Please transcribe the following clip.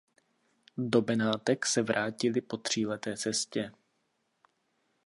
Do Benátek se vrátili po tříleté cestě.